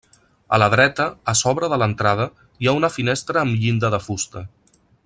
A la dreta, a sobre de l'entrada, hi ha una finestra amb llinda de fusta.